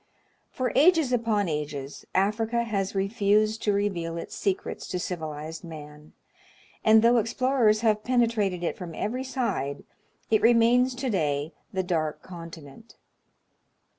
For ages upon ages, Africa has refused to reveal its Secrets to civilized man, and, though explorers have penetrated it from every side, it remains to day the dark continent.